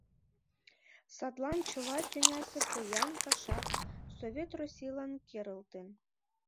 Садлан чыла тӱнясе поян кашак Совет Российлан керылтын.